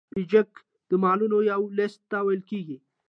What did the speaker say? بیجک د مالونو یو لیست ته ویل کیږي.